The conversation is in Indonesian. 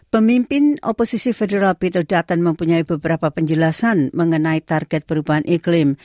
pemimpin oposisi federal peat dutton mempunyai beberapa penjelasan mengenai target perubahan iklim